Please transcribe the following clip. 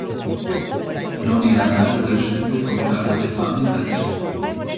Non era raro ver xente con cara de fame daquela.